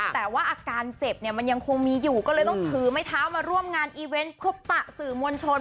แต่ว่าอาการเจ็บเนี่ยมันยังคงมีอยู่ก็เลยต้องถือไม้เท้ามาร่วมงานอีเวนต์พบปะสื่อมวลชน